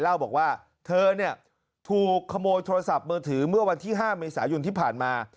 เล่าบอกว่าเธอเนี่ยถูกขโมยโทรศัพท์มือถือเมื่อวันที่๕เมษายนที่ผ่านมา